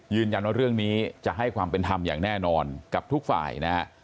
ยืนยันว่าเรื่องนี้จะให้ความเป็นธรรมอย่างแน่นอนกับทุกฝ่ายนะฮะ